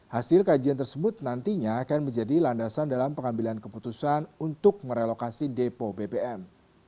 hasil kajian tersebut nantinya akan menjadi landasan dalam pengambilan keputusan untuk merelokasi depo bbm